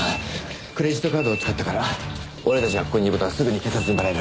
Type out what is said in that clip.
クレジットカードを使ったから俺たちがここにいる事はすぐに警察にバレる。